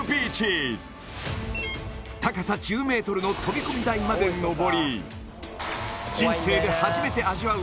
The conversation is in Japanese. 高さ１０ｍの飛び込み台まで登り人生で初めて味わう